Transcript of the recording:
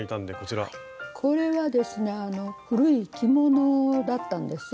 これはですね古い着物だったんです。